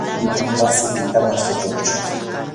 Manataqsi pitapas rikunchu.